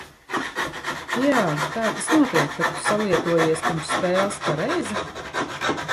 Jā, tā tas notiek, kad tu salietojies pirms spēles, pareizi?